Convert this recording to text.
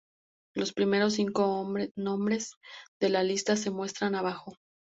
Los primeros cinco nombres de la lista se muestran abajo.